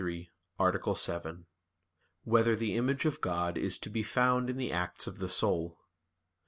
93, Art. 7] Whether the Image of God Is to Be Found in the Acts of the Soul?